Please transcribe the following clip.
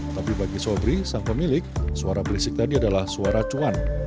tapi bagi sobri sang pemilik suara berisik tadi adalah suara cuan